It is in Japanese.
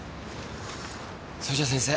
それじゃ先生